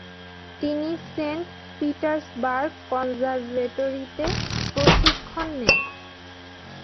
তিনি Saint Petersburg কনজারভেটরিতে প্রশিক্ষণের নেন।